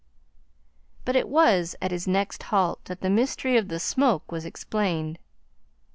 But it was at his next halt that the mystery of the smoke was explained.